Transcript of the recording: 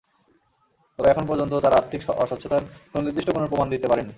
তবে এখন পর্যন্ত তাঁরা আর্থিক অস্বচ্ছতার সুনির্দিষ্ট কোনো প্রমাণ দিতে পারেননি।